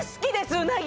うなぎ！